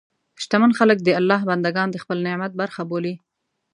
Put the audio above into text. شتمن خلک د الله بندهګان د خپل نعمت برخه بولي.